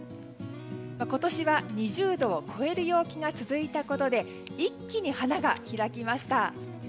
今年は２０度を超える陽気が続いたことで一気に花が開きました。